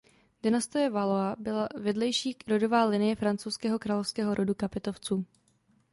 Dynastie Valois byla vedlejší rodová linie francouzského královského rodu Kapetovců.